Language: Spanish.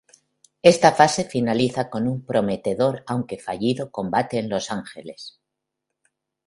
Esta fase finaliza con un prometedor aunque fallido combate en Los Ángeles.